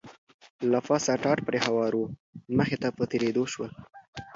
له پاسه ټاټ پرې هوار و، مخې ته په تېرېدو شول.